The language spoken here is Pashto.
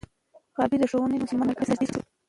غابي د ښوونځي له مسلمان ملګري سره نژدې شو.